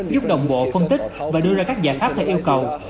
giúp đồng bộ phân tích và đưa ra các giải pháp theo yêu cầu